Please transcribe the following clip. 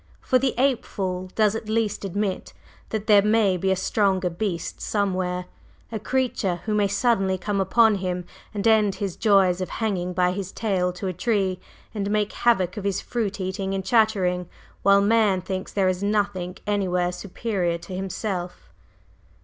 For the ape fool does at least admit that there may be a stronger beast somewhere, a creature who may suddenly come upon him and end his joys of hanging by his tail to a tree and make havoc of his fruit eating and chattering, while man thinks there is nothing anywhere superior to himself."